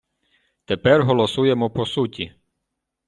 Тепер голосуємо по суті.